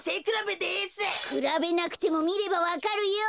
くらべなくてもみればわかるよ！